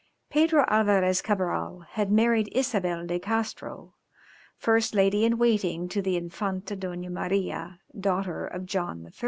Pedro Alvarès Cabral had married Isabel de Castro, first lady in waiting to the Infanta Dona Maria, daughter of John III.